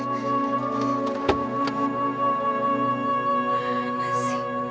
masa udah siap